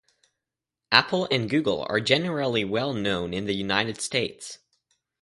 Apple and Google are generally very well-known in the United States.